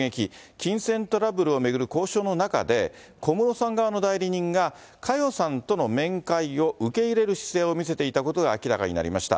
金銭トラブルを巡る交渉の中で、小室さん側の代理人が、佳代さんとの面会を受け入れる姿勢を見せていたことが明らかになりました。